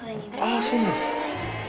ああそうなんですか。